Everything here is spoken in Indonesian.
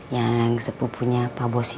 yang sepupunya pak bos